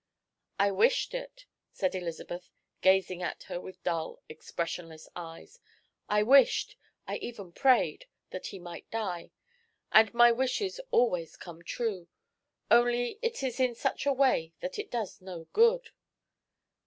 "I wished it," said Elizabeth, gazing at her with dull, expressionless eyes. "I wished, I even prayed, that he might die. And my wishes always come true only it is in such a way that it does no good."